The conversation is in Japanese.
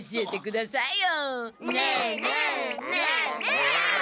ねえねえねえねえ。